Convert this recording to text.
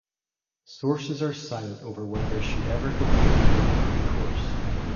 Sources are silent over whether she ever completed her degree course.